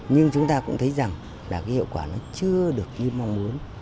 nhưng chúng ta cũng thấy rằng là cái hiệu quả nó chưa được như mong muốn